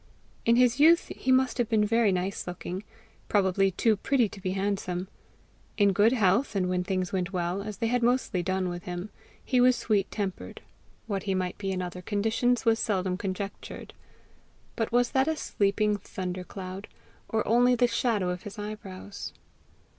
In his youth he must have been very nice looking, probably too pretty to be handsome. In good health and when things went well, as they had mostly done with him, he was sweet tempered; what he might be in other conditions was seldom conjectured. But was that a sleeping thunder cloud, or only the shadow of his eyebrows?